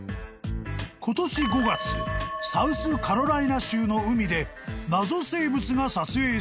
［今年５月サウスカロライナ州の海で謎生物が撮影された］